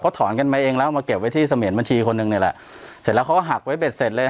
ถอนกันมาเองแล้วมาเก็บไว้ที่เสมียนบัญชีคนหนึ่งนี่แหละเสร็จแล้วเขาก็หักไว้เบ็ดเสร็จเลย